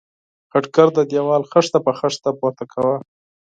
خټګر د دېوال خښته په خښته پورته کاوه.